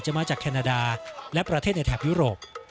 มาจากแคนาดาและประเทศในแถบยุโรป